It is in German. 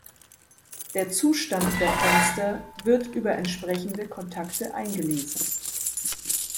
Der Zustand der Fenster wird über entsprechende Kontakte eingelesen.